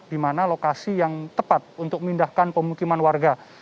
di mana lokasi yang tepat untuk memindahkan pemukiman warga